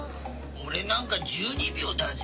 俺なんか１２秒だぜ。